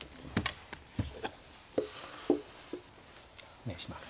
お願いします。